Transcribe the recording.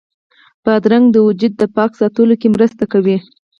بادرنګ د وجود پاک ساتلو کې مرسته کوي.